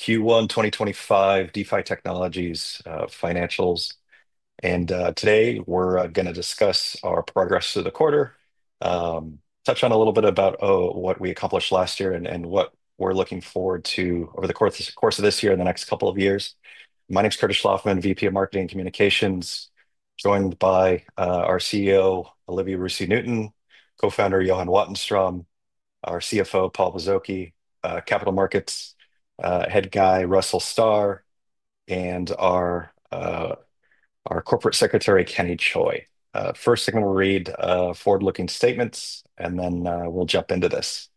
Q1 2025, DeFi Technologies, financials. Today we're going to discuss our progress through the quarter, touch on a little bit about what we accomplished last year and what we're looking forward to over the course of this year and the next couple of years. My name is Curtis Schlaufman, VP of Marketing and Communications, joined by our CEO, Olivier Roussy Newton, co-founder Johan Wattenstrom, our CFO, Paul Bozoki, Capital Markets head guy, Russell Starr, and our corporate secretary, Kenny Choi. First, I'm going to read forward-looking statements, and then we'll jump into this.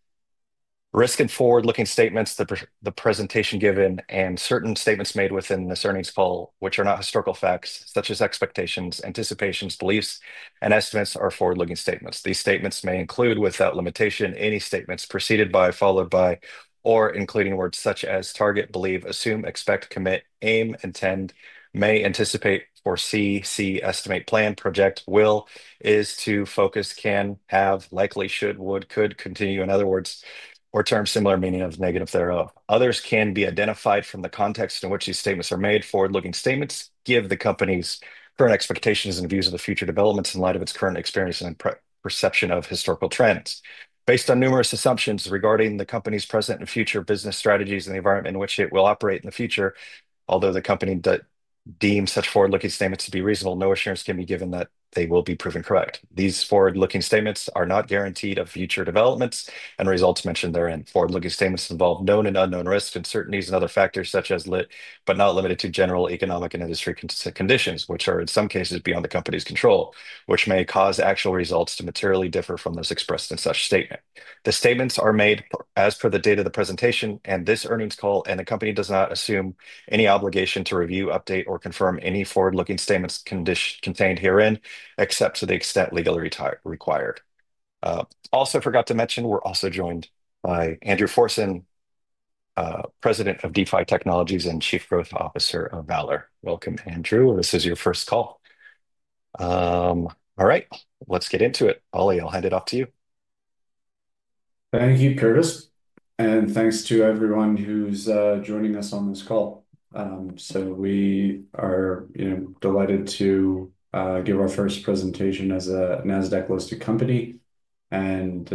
Risk and forward-looking statements, the presentation given, and certain statements made within this earnings call, which are not historical facts, such as expectations, anticipations, beliefs, and estimates, are forward-looking statements. These statements may include, without limitation, any statements preceded by, followed by, or including words such as target, believe, assume, expect, commit, aim, intend, may, anticipate, foresee, see, estimate, plan, project, will, is to, focus, can, have, likely, should, would, could, continue. In other words, or terms of similar meaning or negative thereof. Others can be identified from the context in which these statements are made. Forward-looking statements give the company's current expectations and views of the future developments in light of its current experience and perception of historical trends. Based on numerous assumptions regarding the company's present and future business strategies and the environment in which it will operate in the future, although the company deems such forward-looking statements to be reasonable, no assurance can be given that they will be proven correct. These forward-looking statements are not guarantees of future developments and results mentioned therein. Forward-looking statements involve known and unknown risks and uncertainties and other factors such as, but not limited to, general economic and industry conditions, which are in some cases beyond the company's control, which may cause actual results to materially differ from those expressed in such statements. The statements are made as of the date of the presentation and this earnings call, and the company does not assume any obligation to review, update, or confirm any forward-looking statements contained herein, except to the extent legally required. Also forgot to mention, we're also joined by Andrew Forson, President of DeFi Technologies and Chief Growth Officer of Valour. Welcome, Andrew. This is your first call. All right, let's get into it. Ollie, I'll hand it off to you. Thank you, Curtis, and thanks to everyone who's joining us on this call. We are, you know, delighted to give our first presentation as a Nasdaq-listed company and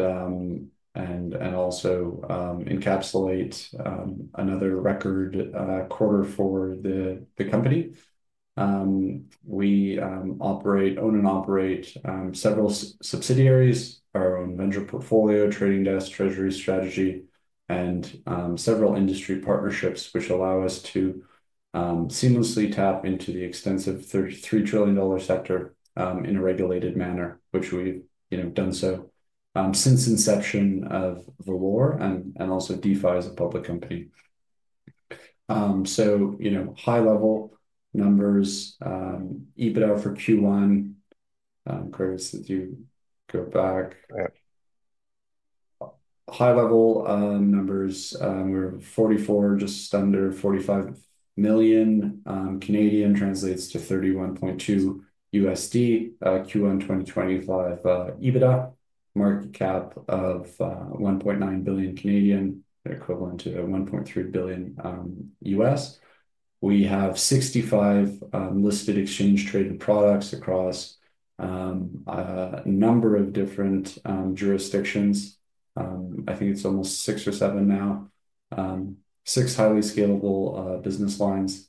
also encapsulate another record quarter for the company. We own and operate several subsidiaries, our own venture portfolio, trading desk, treasury strategy, and several industry partnerships, which allow us to seamlessly tap into the extensive $3 trillion sector in a regulated manner, which we've, you know, done so since inception of the war and also DeFi as a public company. You know, high-level numbers, EBITDA for Q1, Curtis, if you go back. Right. numbers, we are 44 million, just under 45 million, translates to $31.2 million USD, Q1 2025, EBITDA, market cap of 1.9 billion, equivalent to $1.3 billion U.S., We have 65 listed exchange-traded products across a number of different jurisdictions. I think it is almost six or seven now, six highly scalable business lines.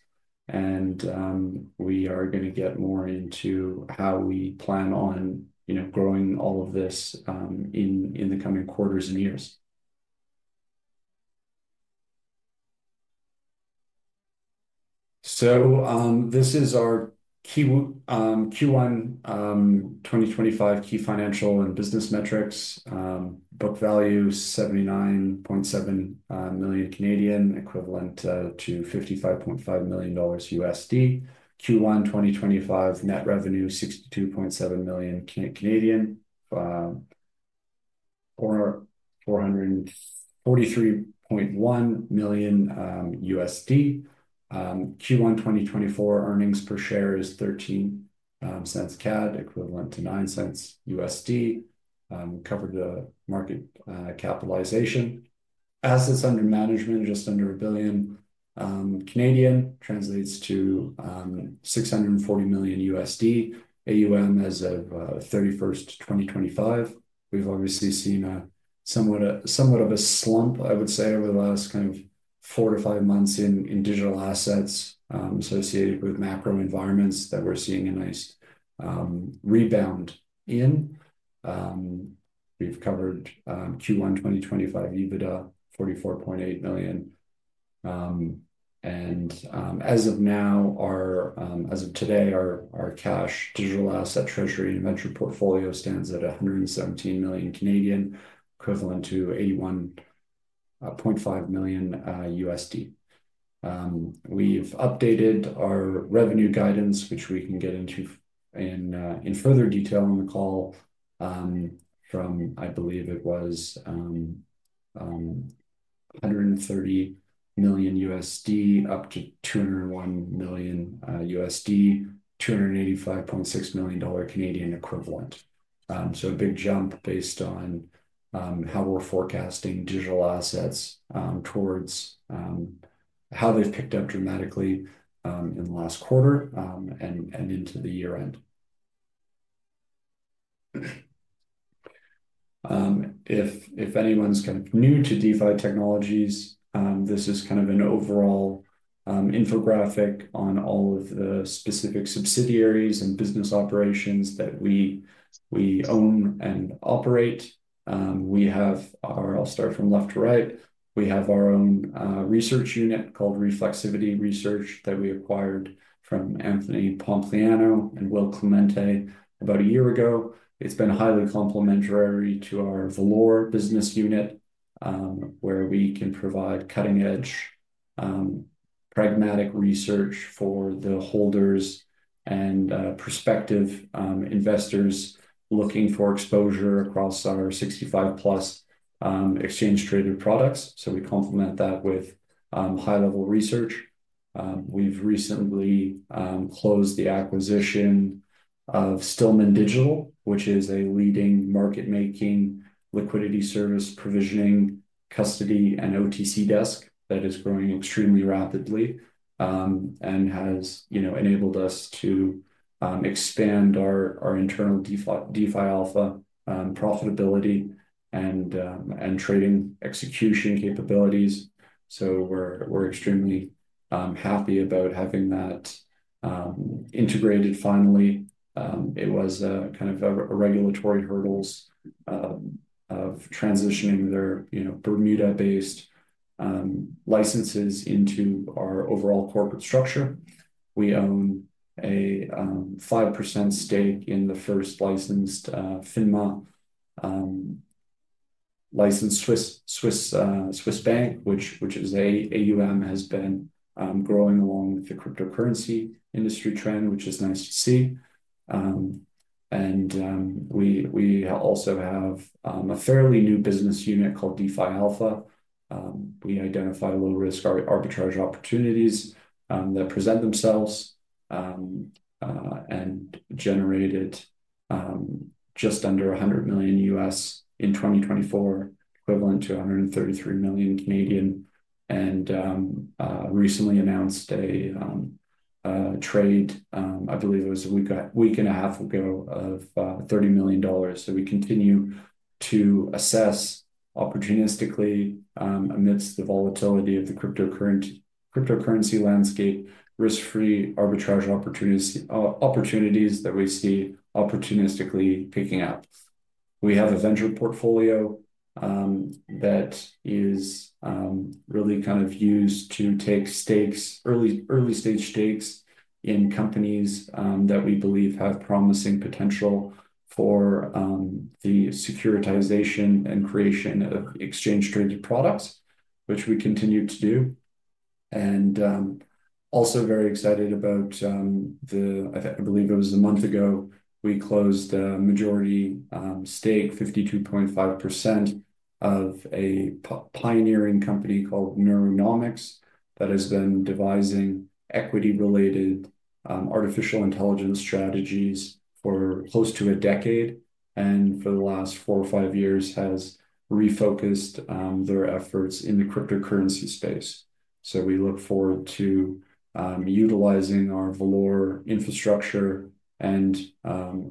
We are going to get more into how we plan on, you know, growing all of this in the coming quarters and years. This is our Q1 2025 key financial and business metrics. Book value 79.7 million, equivalent to $55.5 million USD. Q1 2025 net revenue 62.7 million, or $443.1 million USD. Q1 2024 earnings per share is 0.13, equivalent to $0.09 USD, covered the market capitalization. Assets under management just under 1 billion, translates to $640 million USD, AUM as of 31st 2025. We've obviously seen a somewhat, a somewhat of a slump, I would say, over the last kind of four to five months in, in digital assets, associated with macro environments that we're seeing a nice, rebound in. We've covered, Q1 2025 EBITDA $44.8 million. And, as of now, our, as of today, our, our cash digital asset treasury and venture portfolio stands at 117 million, equivalent to $81.5 million USD. We've updated our revenue guidance, which we can get into in, in further detail in the call, from, I believe it was, $130 million USD up to $201 million USD, 285.6 million Canadian dollars equivalent. So a big jump based on, how we're forecasting digital assets, towards, how they've picked up dramatically, in the last quarter, and, and into the year end. If anyone's kind of new to DeFi Technologies, this is kind of an overall infographic on all of the specific subsidiaries and business operations that we own and operate. We have our, I'll start from left to right. We have our own research unit called Reflexivity Research that we acquired from Anthony Pompliano and Will Clemente about a year ago. It's been highly complementary to our Valour business unit, where we can provide cutting-edge, pragmatic research for the holders and prospective investors looking for exposure across our 65-plus exchange-traded products. We complement that with high-level research. We've recently closed the acquisition of Stillman Digital, which is a leading market-making liquidity service provisioning, custody, and OTC desk that is growing extremely rapidly, and has, you know, enabled us to expand our internal DeFi Alpha profitability and trading execution capabilities. We're extremely happy about having that integrated finally. It was kind of a regulatory hurdle of transitioning their Bermuda-based licenses into our overall corporate structure. We own a 5% stake in the first licensed FINMA-licensed Swiss bank, which has been growing along with the cryptocurrency industry trend, which is nice to see. We also have a fairly new business unit called DeFi Alpha. We identify low-risk arbitrage opportunities that present themselves and generated just under $100 million in 2024, equivalent to 133 million. We recently announced a trade, I believe it was a week and a half ago, of $30 million. We continue to assess opportunistically, amidst the volatility of the cryptocurrency landscape, risk-free arbitrage opportunities, opportunities that we see opportunistically picking up. We have a venture portfolio that is really kind of used to take stakes, early, early stage stakes in companies that we believe have promising potential for the securitization and creation of exchange-traded products, which we continue to do. Also very excited about, I think I believe it was a month ago, we closed the majority stake, 52.5%, of a pioneering company called Neuronomics that has been devising equity-related artificial intelligence strategies for close to a decade and for the last four or five years has refocused their efforts in the cryptocurrency space. We look forward to utilizing our Valour infrastructure and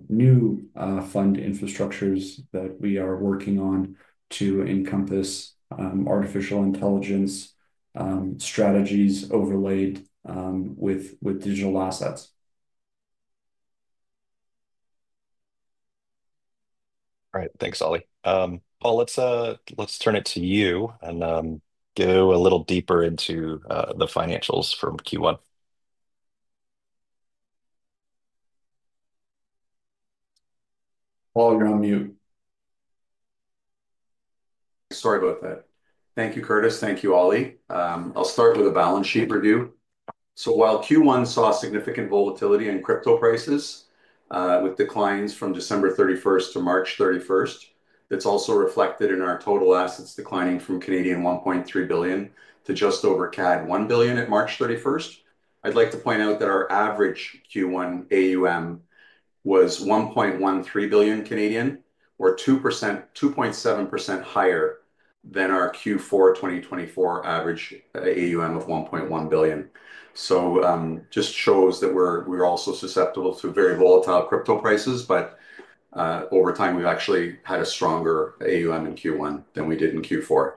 new fund infrastructures that we are working on to encompass artificial intelligence strategies overlaid with digital assets. All right. Thanks, Ollie. Paul, let's, let's turn it to you and go a little deeper into the financials from Q1. Paul, you're on mute. Sorry about that. Thank you, Curtis. Thank you, Ollie. I'll start with a balance sheet review. While Q1 saw significant volatility in crypto prices, with declines from December 31 to March 31, it is also reflected in our total assets declining from 1.3 billion to just over CAD 1 billion at March 31. I'd like to point out that our average Q1 AUM was 1.13 billion, or 2.7% higher than our Q4 2024 average AUM of 1.1 billion. It just shows that we are also susceptible to very volatile crypto prices, but over time we have actually had a stronger AUM in Q1 than we did in Q4.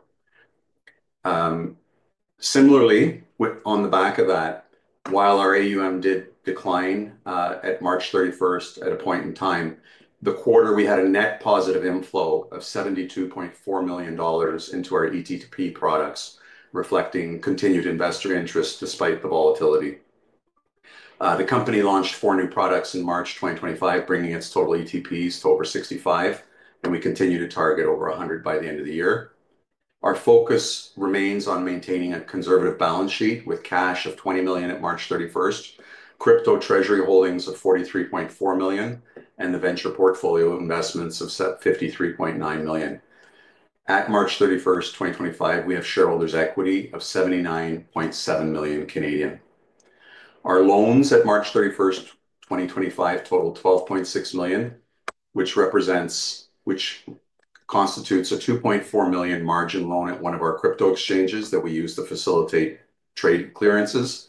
Similarly, on the back of that, while our AUM did decline, at March 31 at a point in time, the quarter we had a net positive inflow of $72.4 million into our ETP products, reflecting continued investor interest despite the volatility. The company launched four new products in March 2025, bringing its total ETPs to over 65, and we continue to target over 100 by the end of the year. Our focus remains on maintaining a conservative balance sheet with cash of 20 million at March 31, crypto treasury holdings of 43.4 million, and the venture portfolio investments of 53.9 million. At March 31, 2025, we have shareholders' equity of 79.7 million. Our loans at March 31, 2025 total 12.6 million, which represents, which constitutes a 2.4 million margin loan at one of our crypto exchanges that we use to facilitate trade clearances,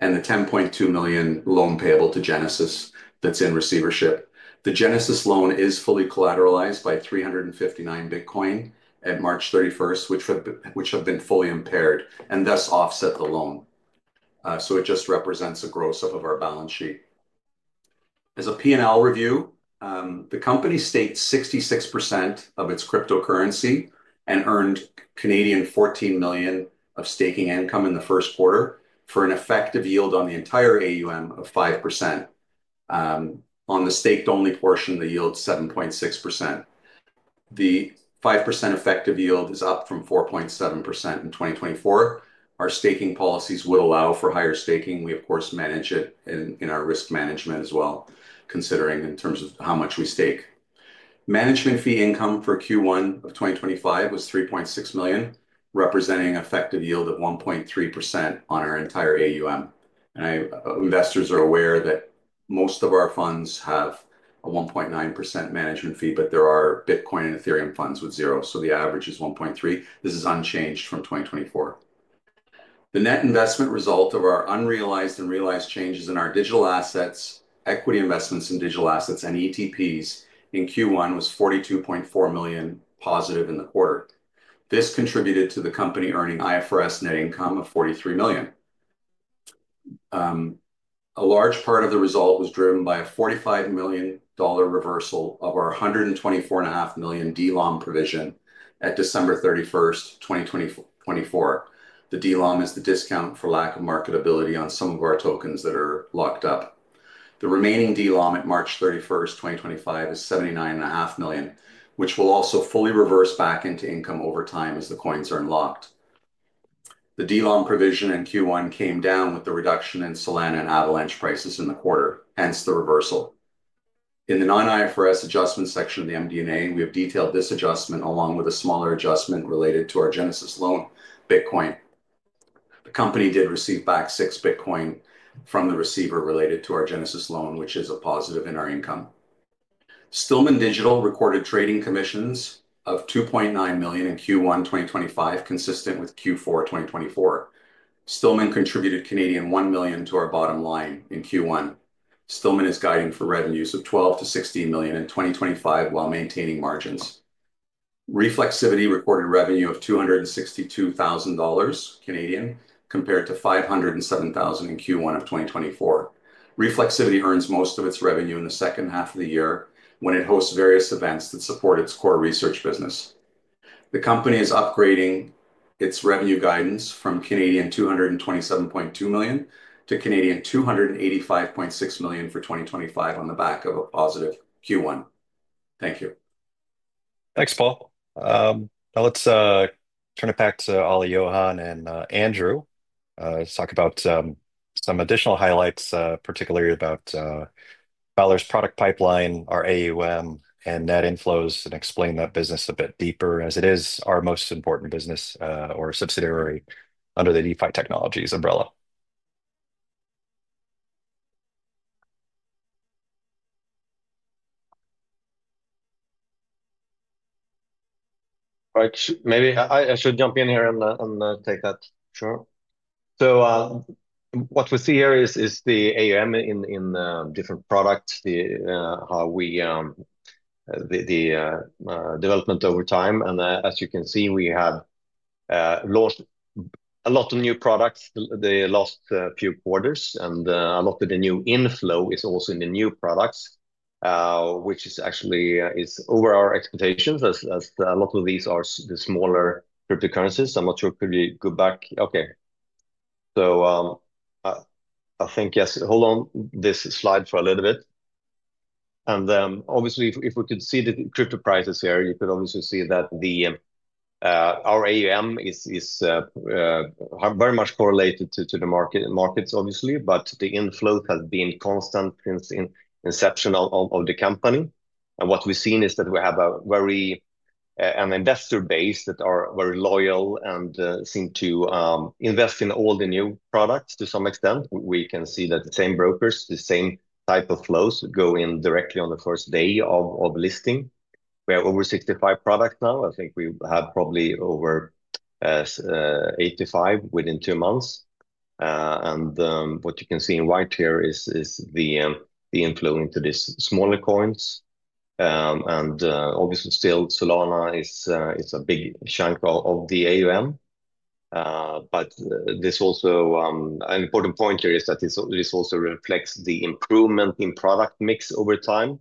and the 10.2 million loan payable to Genesis that's in receivership. The Genesis loan is fully collateralized by 359 Bitcoin at March 31st, which have, which have been fully impaired and thus offset the loan. It just represents a gross up of our balance sheet. As a P&L review, the company staked 66% of its cryptocurrency and earned 14 million of staking income in the first quarter for an effective yield on the entire AUM of 5%. On the staked-only portion, the yield is 7.6%. The 5% effective yield is up from 4.7% in 2024. Our staking policies would allow for higher staking. We, of course, manage it in our risk management as well, considering in terms of how much we stake. Management fee income for Q1 of 2025 was 3.6 million, representing an effective yield of 1.3% on our entire AUM. I, investors are aware that most of our funds have a 1.9% management fee, but there are Bitcoin and Ethereum funds with zero, so the average is 1.3%. This is unchanged from 2024. The net investment result of our unrealized and realized changes in our digital assets, equity investments in digital assets, and ETPs in Q1 was 42.4 million positive in the quarter. This contributed to the company earning IFRS net income of 43 million. A large part of the result was driven by a 45 million dollar reversal of our 124.5 million DLOM provision at December 31, 2024. The DLOM is the discount for lack of marketability on some of our tokens that are locked up. The remaining DLOM at March 31, 2025 is 79.5 million, which will also fully reverse back into income over time as the coins are unlocked. The DLOM provision in Q1 came down with the reduction in Solana and Avalanche prices in the quarter, hence the reversal. In the non-IFRS adjustment section of the MD&A, we have detailed this adjustment along with a smaller adjustment related to our Genesis loan Bitcoin. The company did receive back six Bitcoin from the receiver related to our Genesis loan, which is a positive in our income. Stillman Digital recorded trading commissions of 2.9 million in Q1 2025, consistent with Q4 2024. Stillman contributed 1 million to our bottom line in Q1. Stillman is guiding for revenues of 12 -16 million in 2025 while maintaining margins. Reflexivity recorded revenue of 262,000 Canadian dollars, compared to 507,000 in Q1 of 2024. Reflexivity earns most of its revenue in the second half of the year when it hosts various events that support its core research business. The company is upgrading its revenue guidance from 227.2 million to 285.6 million for 2025 on the back of a positive Q1. Thank you. Thanks, Paul. Now let's turn it back to Ollie, Johan, and Andrew to talk about some additional highlights, particularly about Valour's product pipeline, our AUM, and net inflows, and explain that business a bit deeper as it is our most important business or subsidiary under the DeFi Technologies umbrella. All right, maybe I should jump in here and take that. Sure. What we see here is the AUM in different products, how we, the development over time. As you can see, we have launched a lot of new products the last few quarters, and a lot of the new inflow is also in the new products, which actually is over our expectations as a lot of these are the smaller cryptocurrencies. I'm not sure. Could you go back? Okay. I think, yes, hold on this slide for a little bit. Obviously, if we could see the crypto prices here, you could obviously see that our AUM is very much correlated to the market markets, obviously, but the inflow has been constant since inception of the company. What we have seen is that we have an investor base that are very loyal and seem to invest in all the new products to some extent. We can see that the same brokers, the same type of flows go in directly on the first day of listing. We have over 65 products now. I think we will probably have over 85 within two months. What you can see in white here is the inflow into these smaller coins. Obviously, still Solana is a big chunk of the AUM. An important point here is that this also reflects the improvement in product mix over time.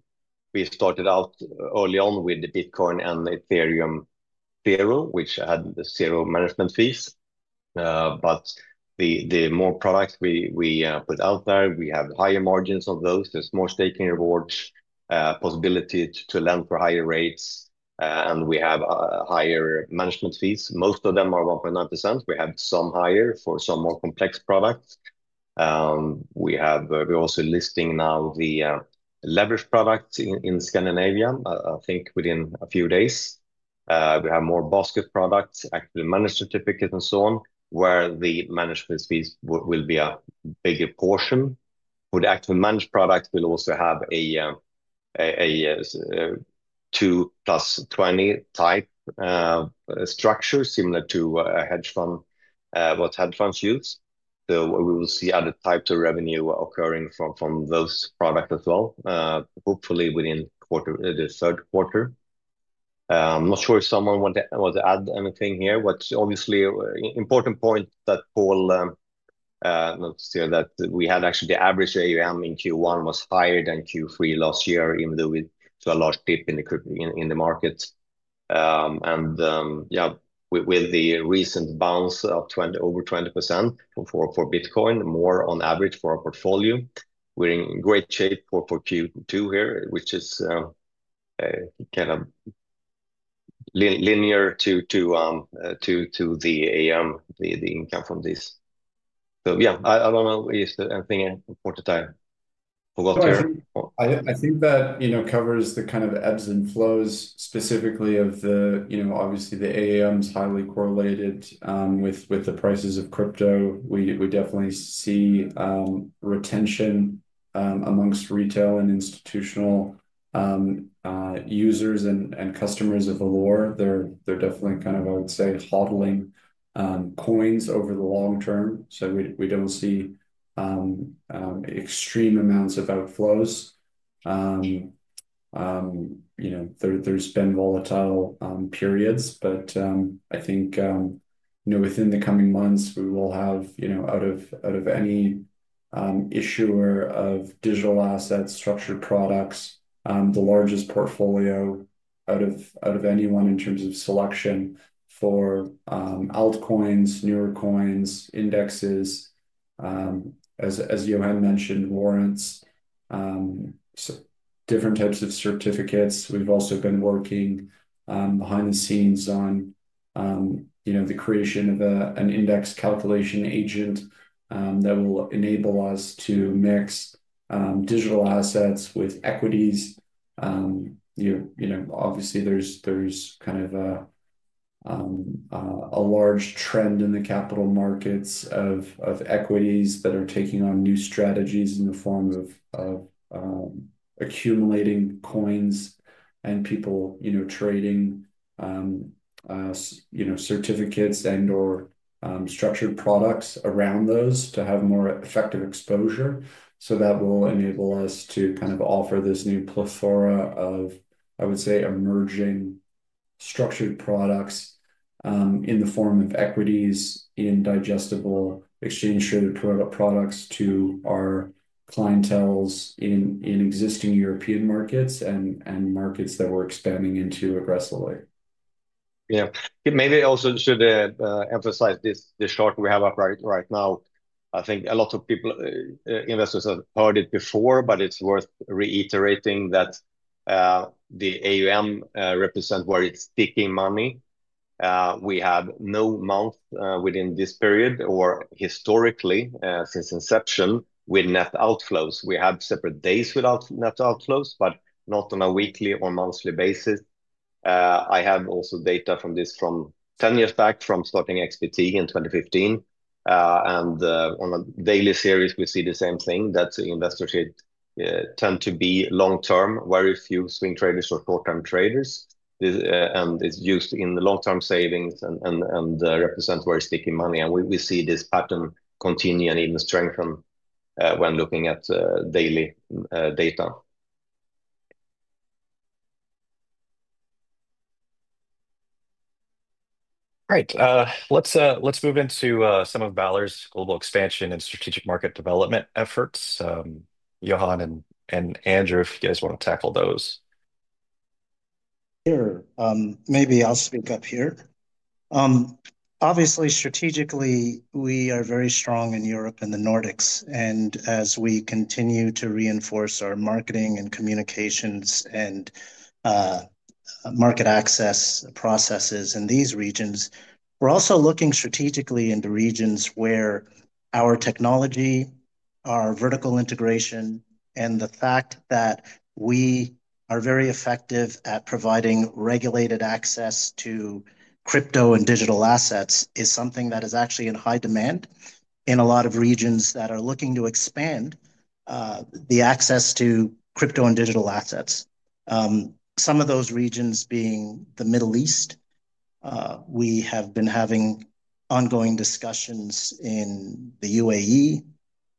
We started out early on with the Bitcoin and Ethereum zero, which had zero management fees. The more products we put out there, we have higher margins on those. There's more staking rewards, possibility to lend for higher rates, and we have higher management fees. Most of them are 1.9%. We have some higher for some more complex products. We're also listing now the leverage products in Scandinavia. I think within a few days, we have more basket products, active management certificates, and so on, where the management fees will be a bigger portion. For the active management products, we'll also have a two plus 20 type structure similar to what hedge funds use. We will see other types of revenue occurring from those products as well, hopefully within quarter, the third quarter. I'm not sure if someone wanted to add anything here, but obviously important point that Paul noticed here that we had actually the average AUM in Q1 was higher than Q3 last year, even though we saw a large dip in the crypto in the markets. Yeah, with the recent bounce of over 20% for Bitcoin, more on average for our portfolio, we're in great shape for Q2 here, which is kind of linear to the AUM, the income from this. Yeah, I don't know if there's anything important I forgot here. I think that, you know, covers the kind of ebbs and flows specifically of the, you know, obviously the AUM is highly correlated with the prices of crypto. We definitely see retention amongst retail and institutional users and customers of Valour. They're definitely kind of, I would say, hodling coins over the long term. We do not see extreme amounts of outflows. You know, there have been volatile periods, but I think, you know, within the coming months, we will have, out of any issuer of digital assets, structured products, the largest portfolio out of anyone in terms of selection for altcoins, newer coins, indexes, as Johan mentioned, warrants, so different types of certificates. We've also been working behind the scenes on, you know, the creation of an index calculation agent that will enable us to mix digital assets with equities. You know, obviously there's kind of a large trend in the capital markets of equities that are taking on new strategies in the form of accumulating coins and people, you know, trading, you know, certificates and/or structured products around those to have more effective exposure. That will enable us to kind of offer this new plethora of, I would say, emerging structured products in the form of equities in digestible exchange-traded products to our clienteles in existing European markets and markets that we're expanding into aggressively. Yeah, maybe I also should emphasize this, the short we have up right now. I think a lot of people, investors have heard it before, but it's worth reiterating that the AUM represents where it's sticking money. We have no month within this period or historically, since inception with net outflows. We have separate days without net outflows, but not on a weekly or monthly basis. I have also data from this from 10 years back from starting XBT in 2015, and on a daily series, we see the same thing that investors should, tend to be long-term, very few swing traders or short-term traders. This, and it's used in the long-term savings and represents where sticking money. We see this pattern continue and even strengthen when looking at daily data. All right. Let's, let's move into some of Valour's global expansion and strategic market development efforts. Johan and Andrew, if you guys want to tackle those. Sure. Maybe I'll speak up here. Obviously, strategically, we are very strong in Europe and the Nordics. As we continue to reinforce our marketing and communications and market access processes in these regions, we're also looking strategically in the regions where our technology, our vertical integration, and the fact that we are very effective at providing regulated access to crypto and digital assets is something that is actually in high demand in a lot of regions that are looking to expand the access to crypto and digital assets. Some of those regions being the Middle East, we have been having ongoing discussions in the UAE,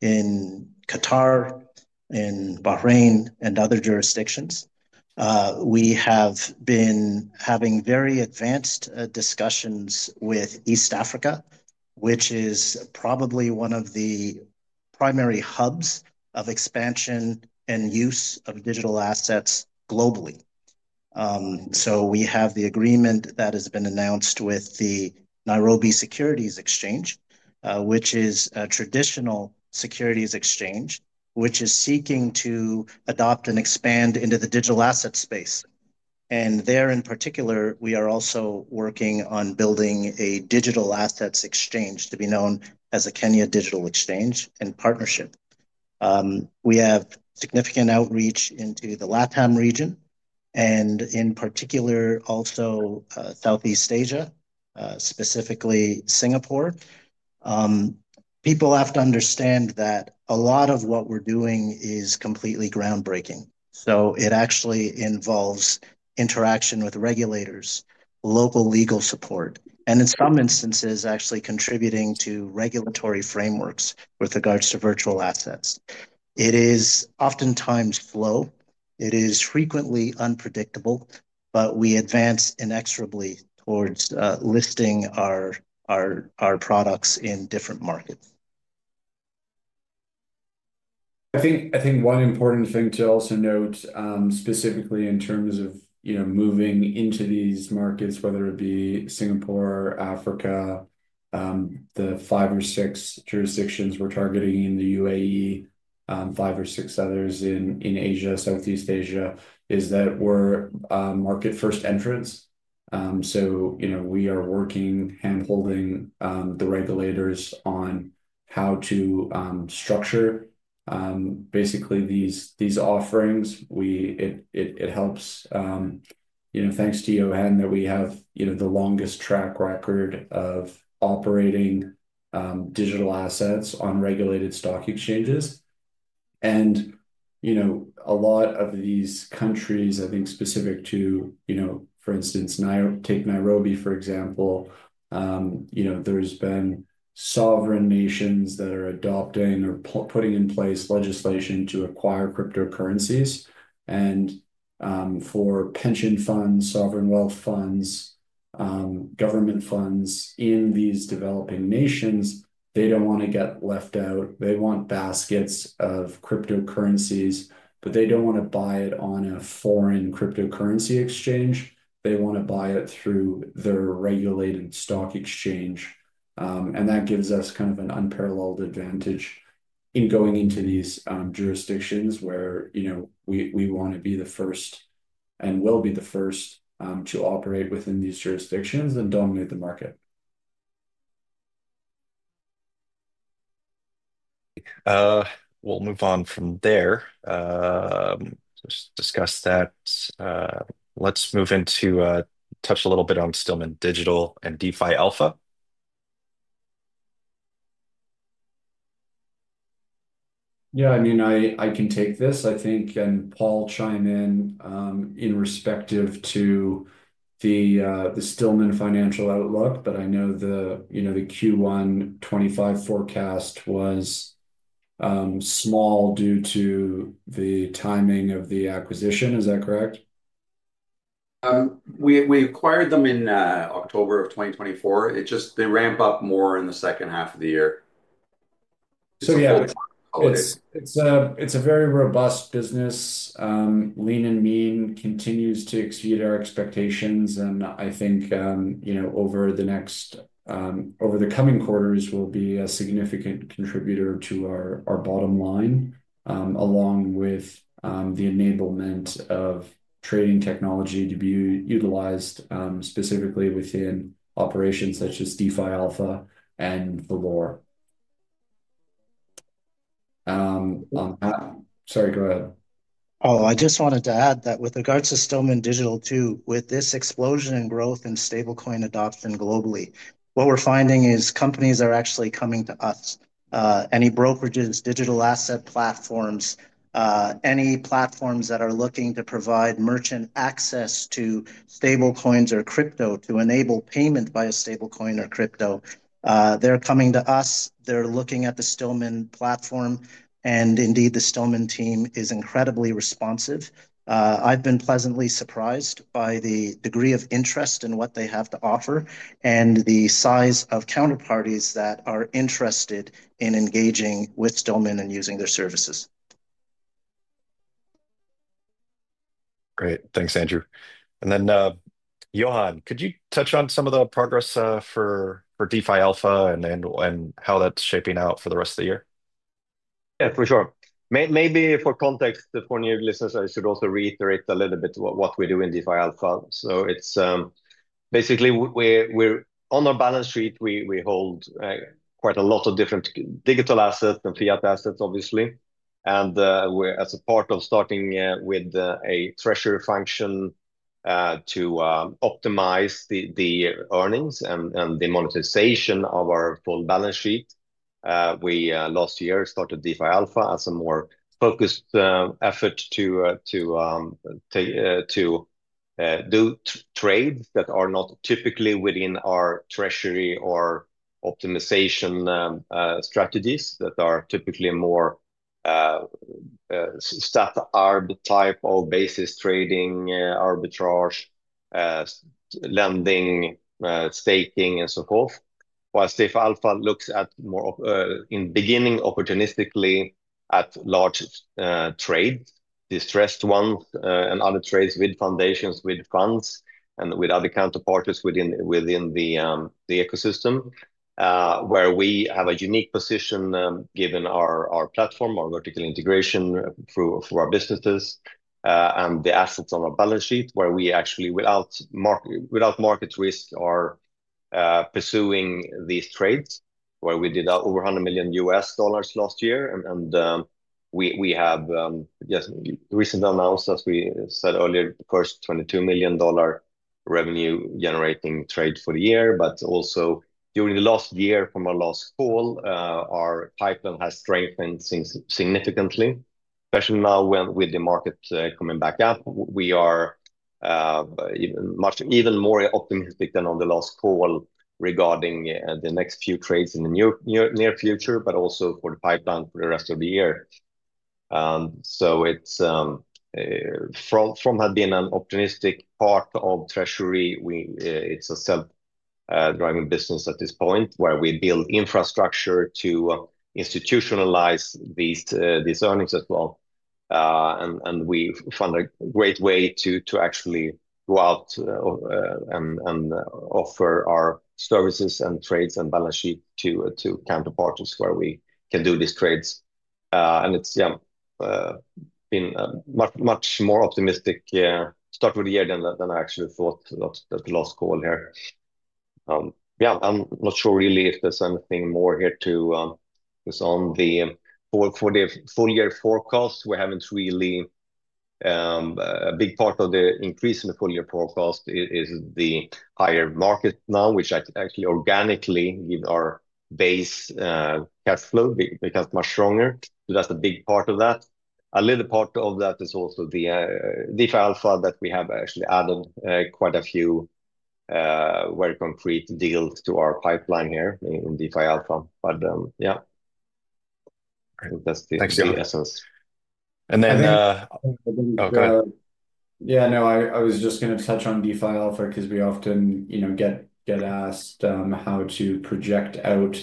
in Qatar, in Bahrain, and other jurisdictions. We have been having very advanced discussions with East Africa, which is probably one of the primary hubs of expansion and use of digital assets globally. We have the agreement that has been announced with the Nairobi Securities Exchange, which is a traditional securities exchange, which is seeking to adopt and expand into the digital asset space. There in particular, we are also working on building a digital assets exchange to be known as a Kenya Digital Exchange in partnership. We have significant outreach into the LATAM region and in particular also Southeast Asia, specifically Singapore. People have to understand that a lot of what we're doing is completely groundbreaking. It actually involves interaction with regulators, local legal support, and in some instances actually contributing to regulatory frameworks with regards to virtual assets. It is oftentimes slow. It is frequently unpredictable, but we advance inexorably towards listing our products in different markets. I think one important thing to also note, specifically in terms of, you know, moving into these markets, whether it be Singapore, Africa, the five or six jurisdictions we're targeting in the UAE, five or six others in Asia, Southeast Asia, is that we're market first entrants. You know, we are working, handholding the regulators on how to structure, basically, these offerings. It helps, you know, thanks to Johan that we have, you know, the longest track record of operating digital assets on regulated stock exchanges. You know, a lot of these countries, I think specific to, you know, for instance, take Nairobi, for example, you know, there's been sovereign nations that are adopting or putting in place legislation to acquire cryptocurrencies. For pension funds, sovereign wealth funds, government funds in these developing nations, they do not want to get left out. They want baskets of cryptocurrencies, but they do not want to buy it on a foreign cryptocurrency exchange. They want to buy it through their regulated stock exchange. That gives us kind of an unparalleled advantage in going into these jurisdictions where, you know, we want to be the first and will be the first to operate within these jurisdictions and dominate the market. We'll move on from there. Let's discuss that. Let's move into, touch a little bit on Stillman Digital and DeFi Alpha. Yeah, I mean, I can take this, I think, and Paul chime in, in respect to the Stillman financial outlook, but I know the, you know, the Q1 2025 forecast was small due to the timing of the acquisition. Is that correct? We acquired them in October of 2024. It just, they ramp up more in the second half of the year. Yeah, it's a very robust business. Lean and Mean continues to exceed our expectations. I think, you know, over the coming quarters, we'll be a significant contributor to our bottom line, along with the enablement of trading technology to be utilized, specifically within operations such as DeFi Alpha and Valour. On that, sorry, go ahead. Oh, I just wanted to add that with regards to Stillman Digital too, with this explosion in growth and stablecoin adoption globally, what we're finding is companies are actually coming to us, any brokerages, digital asset platforms, any platforms that are looking to provide merchant access to stablecoins or crypto to enable payment via stablecoin or crypto. They're coming to us. They're looking at the Stillman platform. Indeed, the Stillman team is incredibly responsive. I've been pleasantly surprised by the degree of interest in what they have to offer and the size of counterparties that are interested in engaging with Stillman and using their services. Great. Thanks, Andrew. Johan, could you touch on some of the progress for DeFi Alpha and how that's shaping out for the rest of the year? Yeah, for sure. Maybe for context for new listeners, I should also reiterate a little bit what we do in DeFi Alpha. So it's basically, we're on our balance sheet. We hold quite a lot of different digital assets and fiat assets, obviously. We're, as a part of starting with a treasury function, to optimize the earnings and the monetization of our full balance sheet. We last year started DeFi Alpha as a more focused effort to do trades that are not typically within our treasury or optimization strategies that are typically more stat arbit type of basis trading, arbitrage, lending, staking, and so forth. While DeFi Alpha looks at more, in beginning opportunistically at large trades, distressed ones, and other trades with foundations, with funds, and with other counterparties within the ecosystem, where we have a unique position, given our platform, our vertical integration through our businesses, and the assets on our balance sheet where we actually, without market risk, are pursuing these trades where we did over $100 million last year. We have just recently announced, as we said earlier, the first $22 million revenue generating trade for the year. During the last year from our last call, our pipeline has strengthened significantly, especially now with the market coming back up. We are even more optimistic than on the last call regarding the next few trades in the near future, but also for the pipeline for the rest of the year. It has been an optimistic part of treasury. It is a self-driving business at this point where we build infrastructure to institutionalize these earnings as well. We found a great way to actually go out and offer our services and trades and balance sheet to counterparties where we can do these trades. It has been a much more optimistic start of the year than I actually thought at the last call here. Yeah, I'm not sure really if there's anything more here to, is on the full, for the full year forecast. We haven't really, a big part of the increase in the full year forecast is the higher market now, which actually organically gives our base, cash flow, because much stronger. That's a big part of that. A little part of that is also the DeFi Alpha that we have actually added, quite a few, very concrete deals to our pipeline here in, in DeFi Alpha. Yeah, I think that's the essence. Okay. Yeah, no, I was just going to touch on DeFi Alpha because we often, you know, get asked how to project out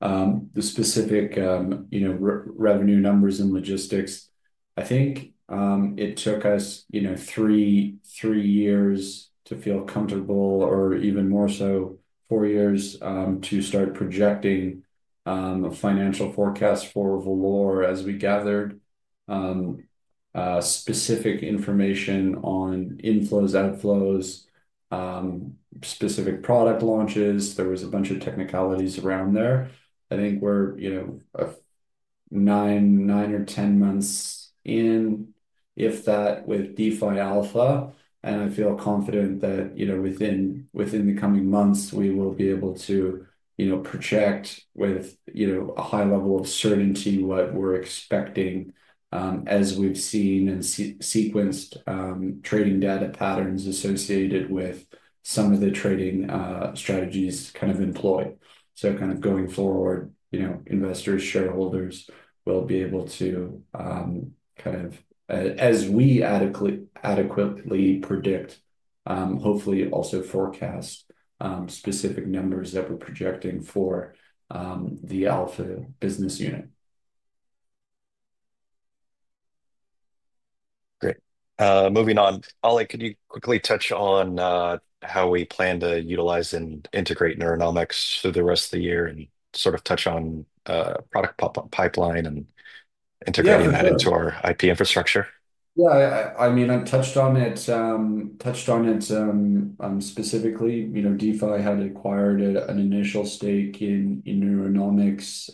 the specific, you know, revenue numbers and logistics. I think it took us, you know, three years to feel comfortable or even more so, four years, to start projecting a financial forecast for Valour as we gathered specific information on inflows, outflows, specific product launches. There was a bunch of technicalities around there. I think we're, you know, nine or ten months in, if that, with DeFi Alpha. And I feel confident that, you know, within the coming months, we will be able to, you know, project with, you know, a high level of certainty what we're expecting, as we've seen and sequenced trading data patterns associated with some of the trading strategies kind of employed. Kind of going forward, you know, investors, shareholders will be able to, kind of, as we adequately predict, hopefully also forecast, specific numbers that we're projecting for the Alpha business unit. Great. Moving on, Ole, could you quickly touch on how we plan to utilize and integrate Neuronomics through the rest of the year and sort of touch on product pipeline and integrating that into our IP infrastructure? Yeah, I mean, I touched on it, touched on it specifically, you know, DeFi had acquired an initial stake in Neuronomics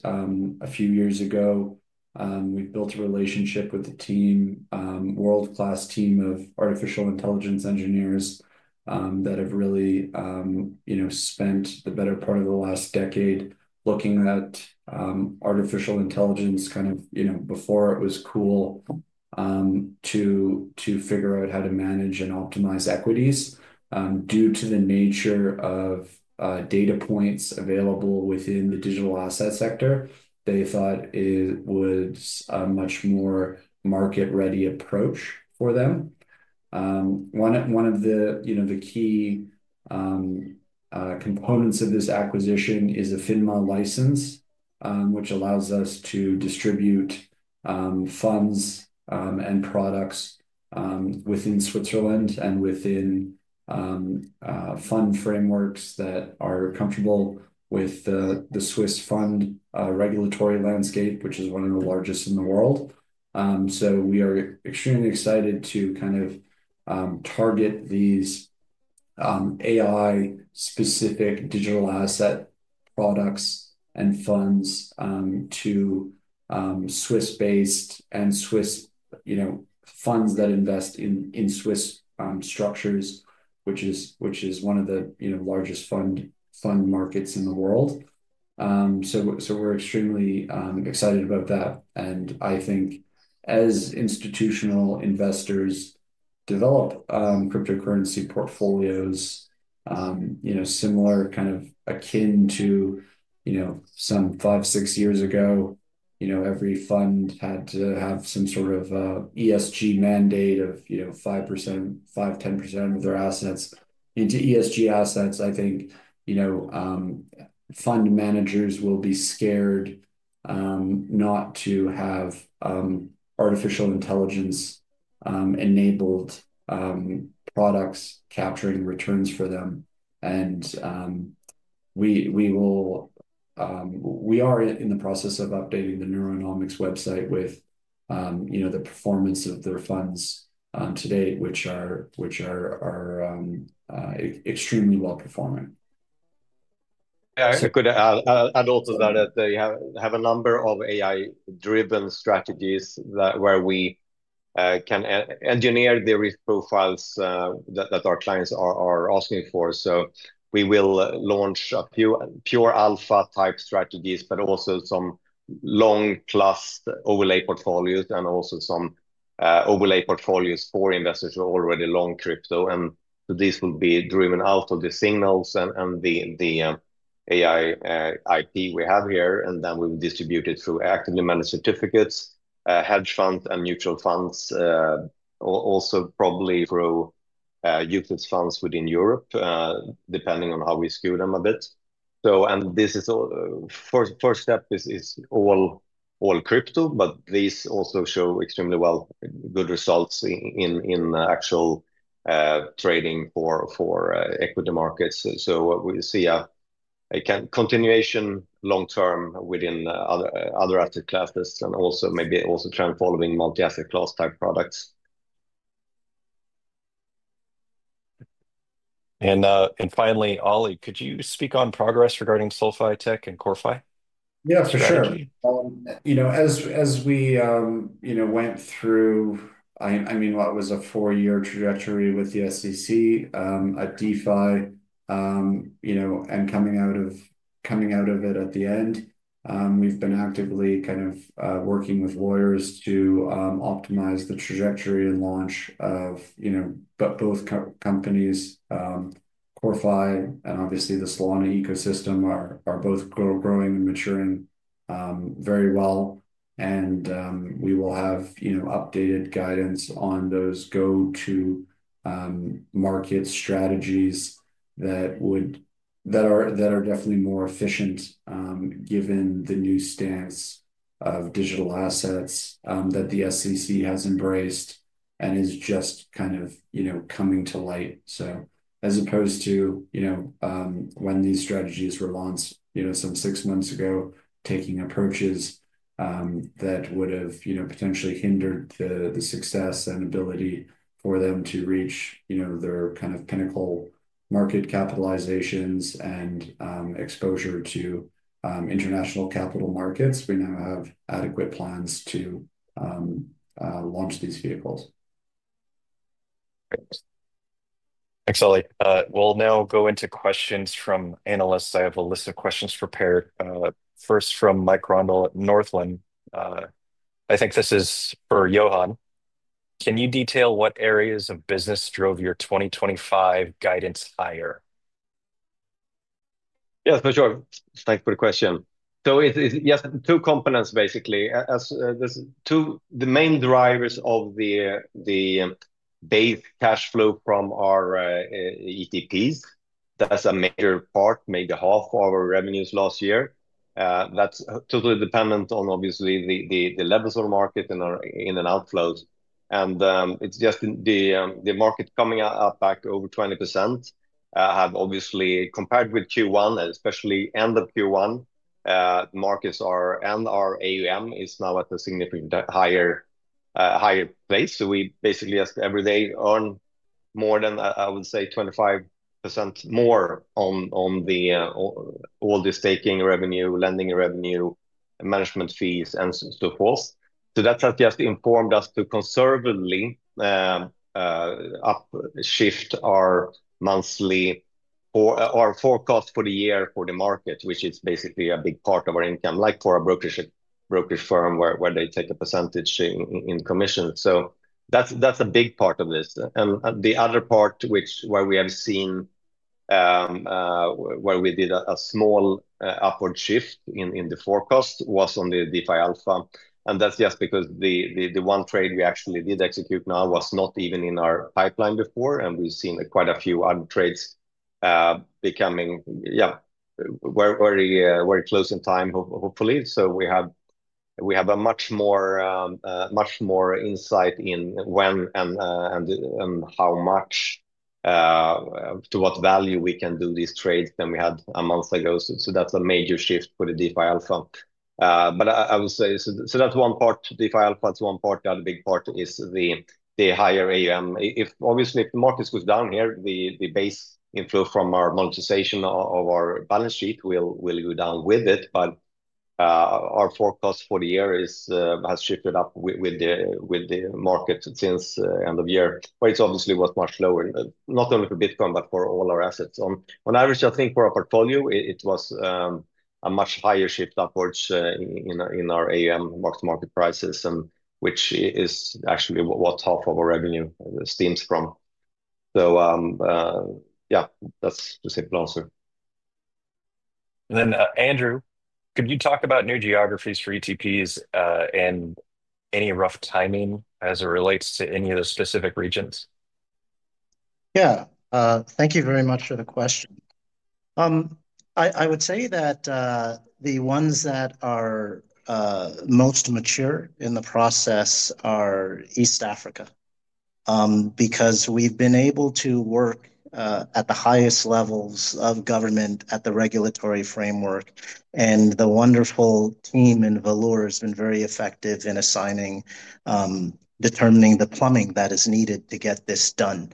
a few years ago. We've built a relationship with the team, world-class team of artificial intelligence engineers, that have really, you know, spent the better part of the last decade looking at artificial intelligence kind of, you know, before it was cool, to figure out how to manage and optimize equities, due to the nature of data points available within the digital asset sector. They thought it would, much more market-ready approach for them. One of the, you know, the key components of this acquisition is a FINMA license, which allows us to distribute funds and products within Switzerland and within fund frameworks that are comfortable with the Swiss fund regulatory landscape, which is one of the largest in the world. We are extremely excited to kind of target these AI-specific digital asset products and funds to Swiss-based and Swiss, you know, funds that invest in Swiss structures, which is one of the, you know, largest fund markets in the world. We are extremely excited about that. I think as institutional investors develop cryptocurrency portfolios, you know, similar, kind of akin to, you know, some five, six years ago, every fund had to have some sort of ESG mandate of, you know, 5%, 5-10% of their assets into ESG assets. I think, you know, fund managers will be scared not to have artificial intelligence-enabled products capturing returns for them. We are in the process of updating the Neuronomics website with, you know, the performance of their funds to date, which are extremely well performing. Yeah, I could add also that they have a number of AI-driven strategies where we can engineer the risk profiles that our clients are asking for. We will launch a few pure Alpha type strategies, but also some long-plus overlay portfolios and also some overlay portfolios for investors who are already long crypto. These will be driven out of the signals and the AI, IP we have here. We will distribute it through actively managed certificates, hedge funds and mutual funds, also probably through UCITS funds within Europe, depending on how we skew them a bit. This is all, first step is all crypto, but these also show extremely well good results in actual trading for equity markets. We see a continuation long term within other asset classes and also maybe also trend following multi-asset class type products. Finally, Ole, could you speak on progress regarding SoFi Tech and CoreFi? Yeah, for sure. You know, as we, you know, went through, I mean, what was a four-year trajectory with the SEC at DeFi, you know, and coming out of it at the end, we've been actively kind of working with lawyers to optimize the trajectory and launch of, you know, but both companies, CoreFi and obviously the Solana ecosystem are both growing and maturing very well. We will have, you know, updated guidance on those go-to market strategies that are definitely more efficient, given the new stance of digital assets that the SEC has embraced and is just kind of, you know, coming to light. As opposed to, you know, when these strategies were launched, you know, some six months ago, taking approaches that would have, you know, potentially hindered the success and ability for them to reach, you know, their kind of pinnacle market capitalizations and exposure to international capital markets, we now have adequate plans to launch these vehicles. Thanks, Ole. We'll now go into questions from analysts. I have a list of questions prepared. First from Mike Randall at Northland. I think this is for Johan. Can you detail what areas of business drove your 2025 guidance higher? Yeah, for sure. Thanks for the question. It's yes, two components basically. There's two main drivers of the base cash flow from our ETPs. That's a major part, maybe half of our revenues last year. That's totally dependent on, obviously, the levels of the market and our in and outflows. It's just the market coming up back over 20%, obviously compared with Q1 and especially end of Q1, markets are and our AUM is now at a significantly higher place. We basically just every day earn more than, I would say, 25% more on all the staking revenue, lending revenue, management fees, and so forth. That's just informed us to conservatively upshift our monthly forecast for the year for the market, which is basically a big part of our income, like for a brokerage firm where they take a percentage in commission. That's a big part of this. The other part, where we have seen a small upward shift in the forecast, was on the DeFi Alpha. That's just because the one trade we actually did execute now was not even in our pipeline before. We've seen quite a few other trades becoming very, very close in time, hopefully. We have much more insight in when and how much, to what value we can do these trades than we had a month ago. So, that's a major shift for DeFi Alpha. I will say, that's one part, DeFi Alpha, that's one part. The other big part is the higher AUM. If obviously the market goes down here, the base inflow from our monetization of our balance sheet will go down with it. Our forecast for the year has shifted up with the market since the end of year, where it obviously was much lower, not only for Bitcoin, but for all our assets. On average, I think for our portfolio, it was a much higher shift upwards in our AUM, with market prices, and which is actually what half of our revenue stems from. Yeah, that's the simple answer. Andrew, could you talk about new geographies for ETPs, and any rough timing as it relates to any of the specific regions? Yeah, thank you very much for the question. I would say that the ones that are most mature in the process are East Africa, because we've been able to work at the highest levels of government at the regulatory framework. The wonderful team in Valour has been very effective in assigning, determining the plumbing that is needed to get this done.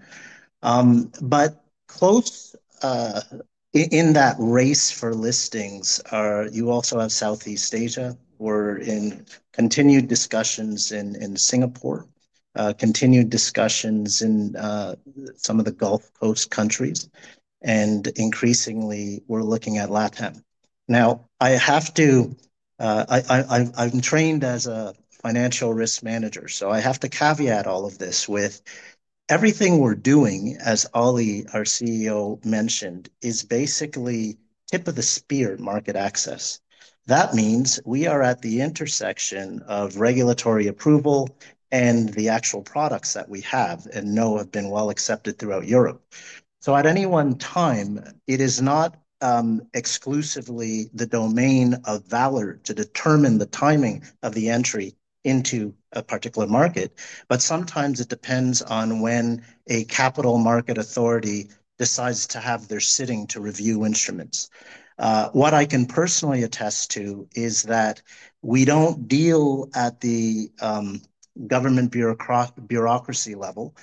Close in that race for listings, you also have Southeast Asia. We're in continued discussions in Singapore, continued discussions in some of the Gulf Coast countries. Increasingly we're looking at LATAM. Now, I have to, I've been trained as a financial risk manager, so I have to caveat all of this with everything we're doing, as Ole, our CEO, mentioned, is basically tip of the spear market access. That means we are at the intersection of regulatory approval and the actual products that we have and know have been well accepted throughout Europe. At any one time, it is not exclusively the domain of Valour to determine the timing of the entry into a particular market, but sometimes it depends on when a capital market authority decides to have their sitting to review instruments. What I can personally attest to is that we do not deal at the government bureaucracy level.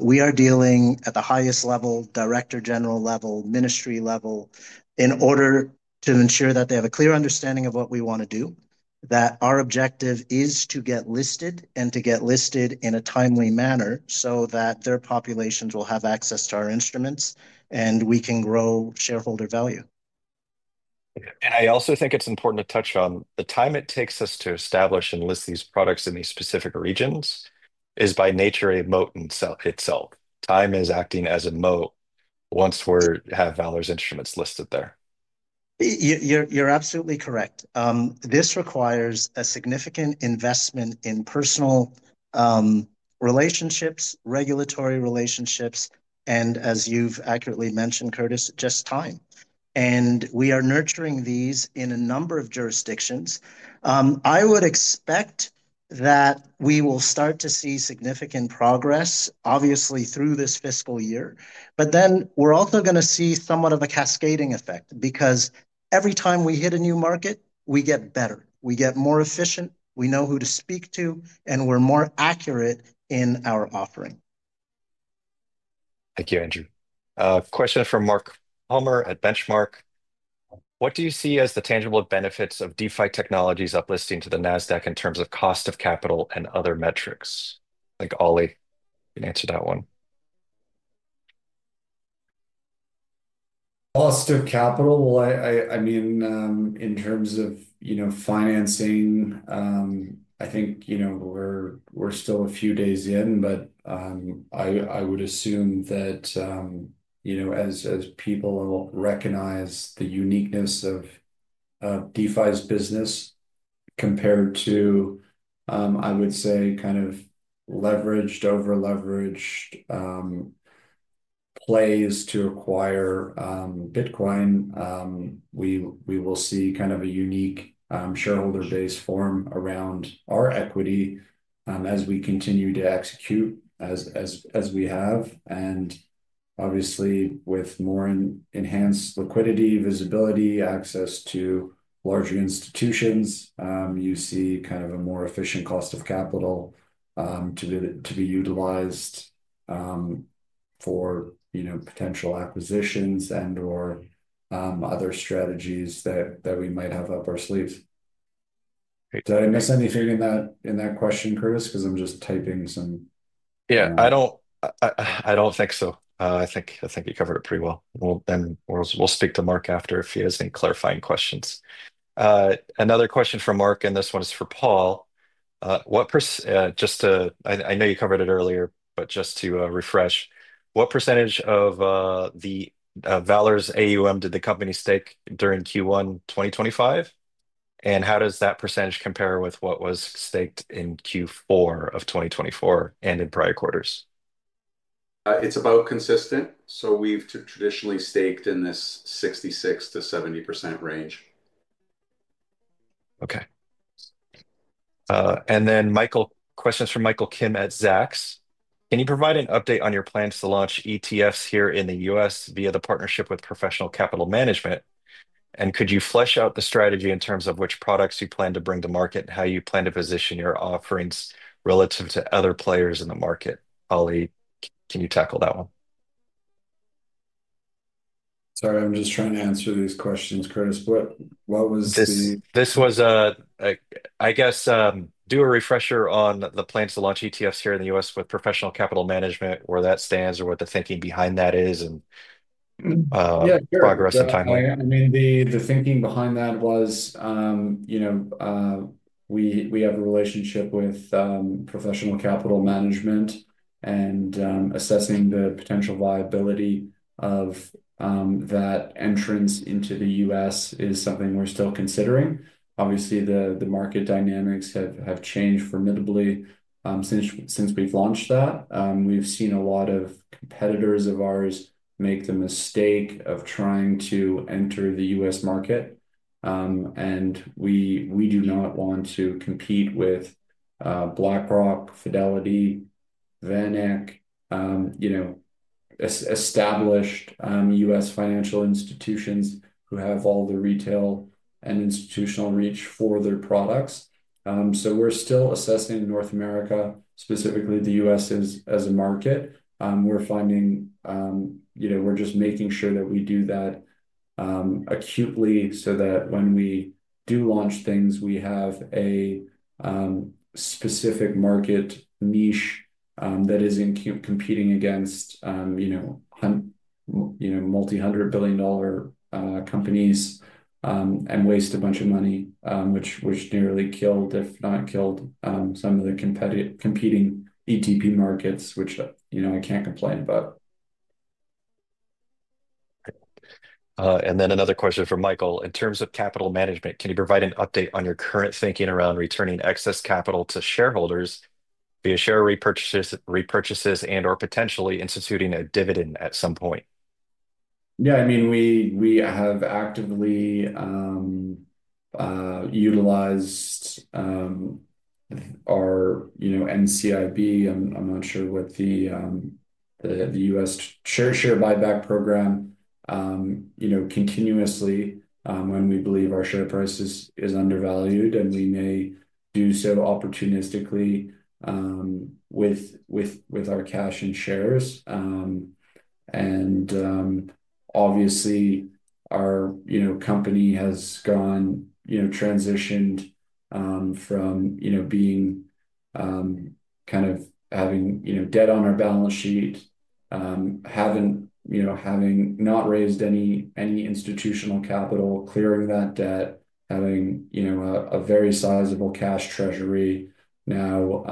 We are dealing at the highest level, director general level, ministry level, in order to ensure that they have a clear understanding of what we want to do, that our objective is to get listed and to get listed in a timely manner so that their populations will have access to our instruments and we can grow shareholder value. I also think it's important to touch on the time it takes us to establish and list these products in these specific regions is by nature a moat in itself. Time is acting as a moat once we have Valour's instruments listed there. You're absolutely correct. This requires a significant investment in personal relationships, regulatory relationships, and as you've accurately mentioned, Curtis, just time. We are nurturing these in a number of jurisdictions. I would expect that we will start to see significant progress, obviously through this fiscal year, but then we're also going to see somewhat of a cascading effect because every time we hit a new market, we get better, we get more efficient, we know who to speak to, and we're more accurate in our offering. Thank you, Andrew. Question from Mark Palmer at Benchmark. What do you see as the tangible benefits of DeFi Technologies uplisting to the NASDAQ in terms of cost of capital and other metrics? I think Ole can answer that one. Cost of capital, I mean, in terms of, you know, financing, I think, you know, we're still a few days in, but I would assume that, you know, as people recognize the uniqueness of DeFi's business compared to, I would say, kind of leveraged, over-leveraged plays to acquire Bitcoin, we will see kind of a unique, shareholder-based form around our equity as we continue to execute as we have. Obviously, with more enhanced liquidity, visibility, access to larger institutions, you see kind of a more efficient cost of capital to be utilized for, you know, potential acquisitions and/or other strategies that we might have up our sleeves. Did I miss anything in that question, Curtis? Because I'm just typing some. Yeah, I don't, I don't think so. I think, I think you covered it pretty well. We'll speak to Mark after if he has any clarifying questions. Another question from Mark, and this one is for Paul. What per, just to, I, I know you covered it earlier, but just to refresh, what percentage of the Valour's AUM did the company stake during Q1 2025? And how does that percentage compare with what was staked in Q4 of 2024 and in prior quarters? it's about consistent. We've traditionally staked in this 66-70% range. Okay. And then Michael, questions from Michael Kim at Zacks. Can you provide an update on your plans to launch ETFs here in the U.S. via the partnership with Professional Capital Management? And could you flesh out the strategy in terms of which products you plan to bring to market and how you plan to position your offerings relative to other players in the market? Ole, can you tackle that one? Sorry, I'm just trying to answer these questions, Curtis. What was the. This was a, I guess, do a refresher on the plans to launch ETFs here in the U.S. with Professional Capital Management, where that stands or what the thinking behind that is and, progress and timeline. Yeah, I mean, the thinking behind that was, you know, we have a relationship with Professional Capital Management and assessing the potential viability of that entrance into the U.S. is something we're still considering. Obviously, the market dynamics have changed formidably since we've launched that. We've seen a lot of competitors of ours make the mistake of trying to enter the US market. We do not want to compete with BlackRock, Fidelity, VanEck, you know, established US financial institutions who have all the retail and institutional reach for their products. We are still assessing North America, specifically the US as a market. we're finding, you know, we're just making sure that we do that acutely so that when we do launch things, we have a specific market niche that is not competing against, you know, multi-hundred billion companies and waste a bunch of money, which nearly killed, if not killed, some of the competing ETP markets, which, you know, I can't complain about. and then another question from Michael. In terms of capital management, can you provide an update on your current thinking around returning excess capital to shareholders via share repurchases, repurchases, and/or potentially instituting a dividend at some point? Yeah, I mean, we have actively utilized our, you know, NCIB. I'm not sure what the U.S. share buyback program, you know, continuously, when we believe our share price is undervalued and we may do so opportunistically with our cash and shares. Obviously our, you know, company has gone, you know, transitioned from, you know, being kind of having, you know, debt on our balance sheet, having, you know, having not raised any institutional capital, clearing that debt, having, you know, a very sizable cash treasury now,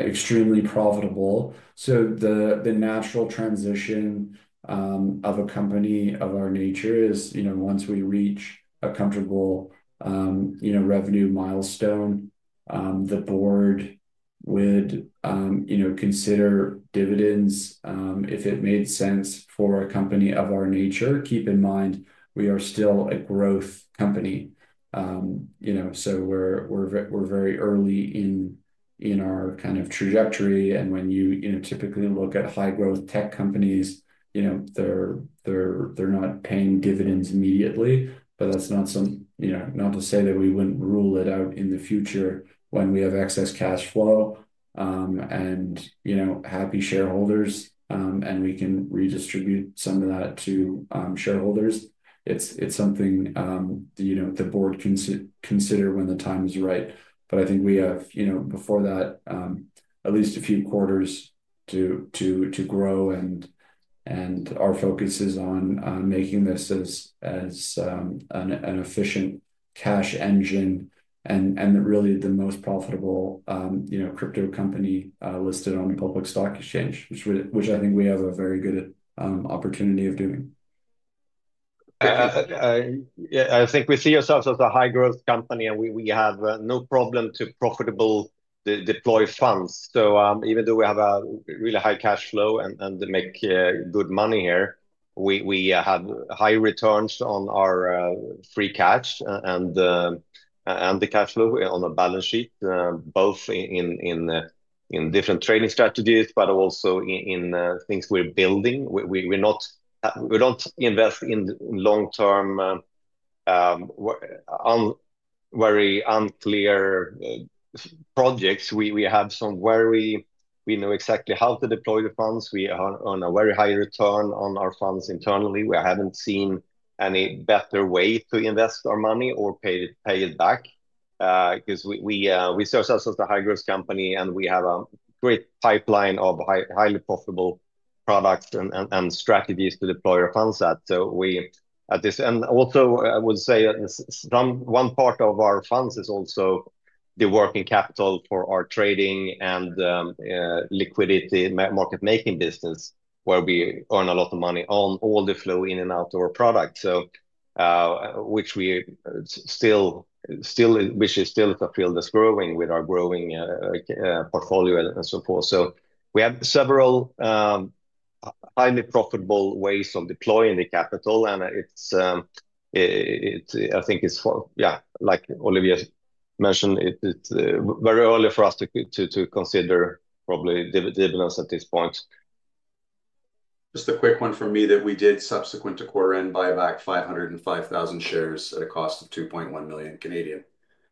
extremely profitable. The natural transition of a company of our nature is, you know, once we reach a comfortable, you know, revenue milestone, the board would, you know, consider dividends, if it made sense for a company of our nature. Keep in mind, we are still a growth company, you know, so we're very early in our kind of trajectory. And when you, you know, typically look at high growth tech companies, you know, they're not paying dividends immediately, but that's not to say that we wouldn't rule it out in the future when we have excess cash flow, and, you know, happy shareholders, and we can redistribute some of that to shareholders. It's something, you know, the board can consider when the time is right. I think we have, you know, before that, at least a few quarters to grow, and our focus is on making this as an efficient cash engine and really the most profitable, you know, crypto company listed on the public stock exchange, which I think we have a very good opportunity of doing. I think we see ourselves as a high growth company and we have no problem to profitably deploy funds. Even though we have a really high cash flow and make good money here, we have high returns on our free cash and the cash flow on a balance sheet, both in different trading strategies, but also in things we're building. We're not, we don't invest in long term, very unclear projects. We have some very, we know exactly how to deploy the funds. We earn a very high return on our funds internally. We haven't seen any better way to invest our money or pay it back, because we serve as a high growth company and we have a great pipeline of highly profitable products and strategies to deploy our funds at. At this, and also I would say that one part of our funds is also the working capital for our trading and liquidity market making business where we earn a lot of money on all the flow in and out of our product, which is still a field that's growing with our growing portfolio and so forth. We have several highly profitable ways of deploying the capital and I think it's, yeah, like Olivier mentioned, it's very early for us to consider probably dividends at this point. Just a quick one from me that we did subsequent to quarter end buy back 505,000 shares at a cost of 2.1 million.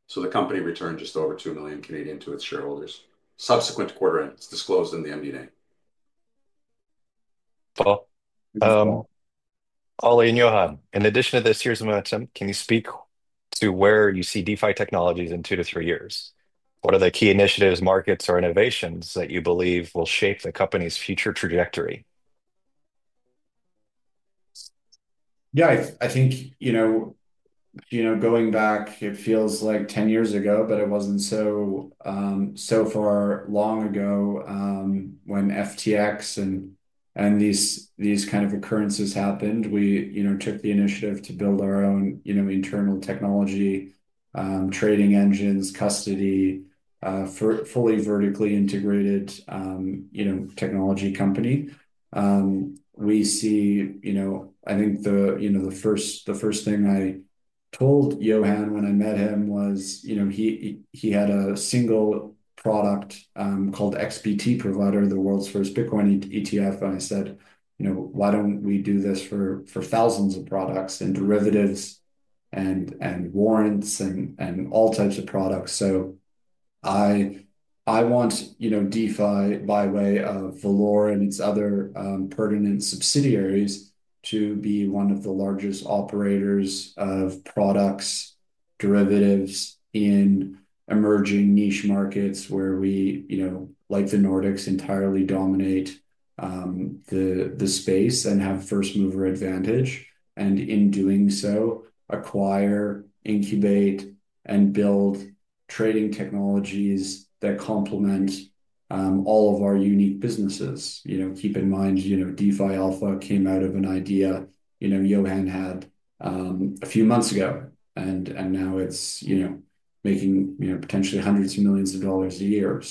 So the company returned just over 2 million to its shareholders subsequent to quarter end. It's disclosed in the MDNA. Paul, Ole and Johan, in addition to this here's a momentum, can you speak to where you see DeFi Technologies in two to three years? What are the key initiatives, markets, or innovations that you believe will shape the company's future trajectory? Yeah, I think, you know, going back, it feels like 10 years ago, but it wasn't so far long ago, when FTX and these kind of occurrences happened, we took the initiative to build our own internal technology, trading engines, custody, fully vertically integrated technology company. We see, you know, I think the first thing I told Johan when I met him was, you know, he had a single product, called XBT Provider, the world's first Bitcoin ETF. And I said, you know, why don't we do this for thousands of products and derivatives and warrants and all types of products? So I want, you know, DeFi by way of Valour and its other pertinent subsidiaries to be one of the largest operators of products, derivatives in emerging niche markets where we, you know, like the Nordics, entirely dominate the space and have first mover advantage and in doing so, acquire, incubate, and build trading technologies that complement all of our unique businesses. You know, keep in mind, you know, DeFi Alpha came out of an idea, you know, Johan had a few months ago and now it's, you know, making, you know, potentially hundreds of millions of dollars a year.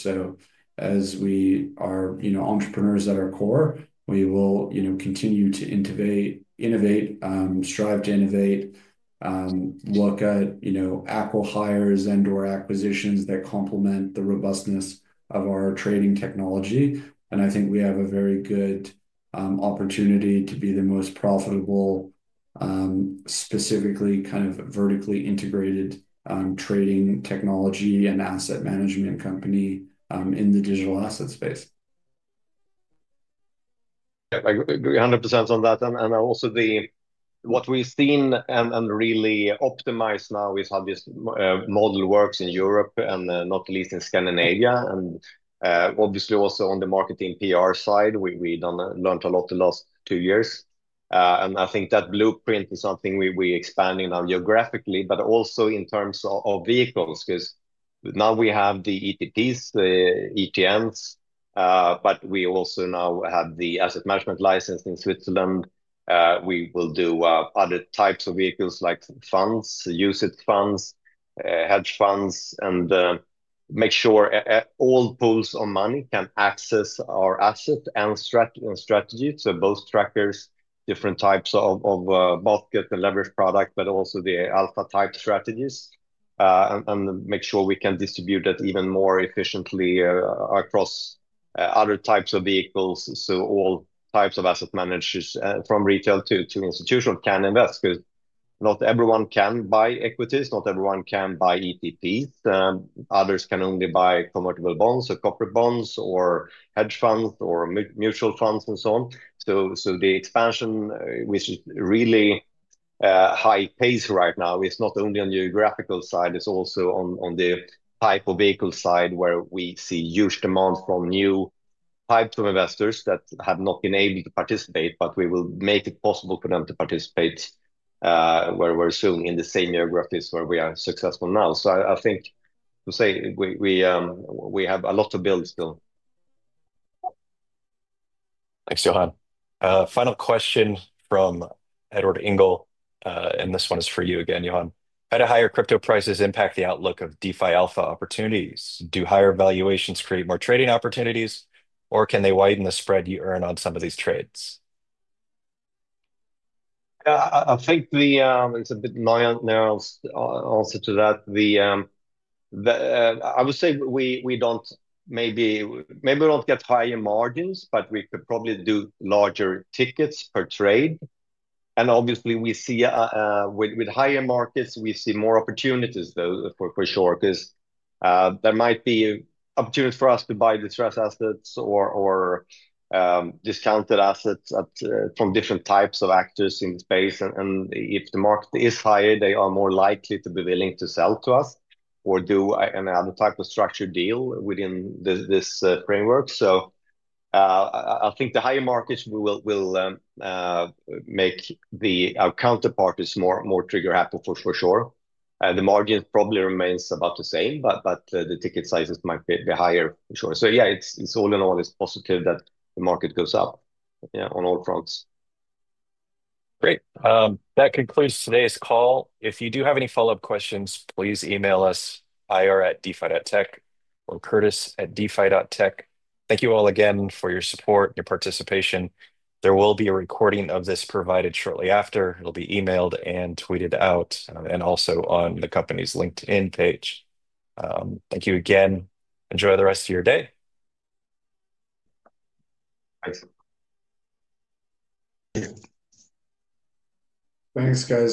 As we are, you know, entrepreneurs at our core, we will, you know, continue to innovate, innovate, strive to innovate, look at, you know, acquisitions and/or acquisitions that complement the robustness of our trading technology. I think we have a very good opportunity to be the most profitable, specifically kind of vertically integrated, trading technology and asset management company in the digital asset space. Yeah, I agree 100% on that. Also, what we've seen and really optimized now is how this model works in Europe and not least in Scandinavia. Obviously, also on the marketing PR side, we learned a lot the last two years. I think that blueprint is something we are expanding now geographically, but also in terms of vehicles, because now we have the ETPs, the ETNs, but we also now have the asset management license in Switzerland. We will do other types of vehicles like funds, UCITS funds, hedge funds, and make sure all pools of money can access our asset and strategy. So both trackers, different types of basket and leverage product, but also the alpha type strategies, and make sure we can distribute it even more efficiently across other types of vehicles. All types of asset managers, from retail to institutional, can invest because not everyone can buy equities, not everyone can buy ETPs. Others can only buy convertible bonds or corporate bonds or hedge funds or mutual funds and so on. The expansion, which is really high pace right now, is not only on the geographical side, it is also on the type of vehicle side where we see huge demand from new types of investors that have not been able to participate, but we will make it possible for them to participate very, very soon in the same geographies where we are successful now. I think to say we have a lot to build still. Thanks, Johan. Final question from Edward Ingle, and this one is for you again, Johan. How do higher crypto prices impact the outlook of DeFi Alpha opportunities? Do higher valuations create more trading opportunities or can they widen the spread you earn on some of these trades? Yeah, I think it's a bit narrow, narrow answer to that. I would say we don't, maybe we don't get higher margins, but we could probably do larger tickets per trade. Obviously we see, with higher markets, we see more opportunities for sure, because there might be opportunities for us to buy distressed assets or discounted assets from different types of actors in the space. If the market is higher, they are more likely to be willing to sell to us or do another type of structured deal within this framework. I think the higher markets will make the counterparties more trigger happy for sure. The margin probably remains about the same, but the ticket sizes might be higher, for sure. Yeah, all in all, it's positive that the market goes up, on all fronts. Great. That concludes today's call. If you do have any follow-up questions, please email us, ira@defi.tech or curtis@defi.tech. Thank you all again for your support and your participation. There will be a recording of this provided shortly after. It'll be emailed and tweeted out and also on the company's LinkedIn page. Thank you again. Enjoy the rest of your day. Thanks. Thanks.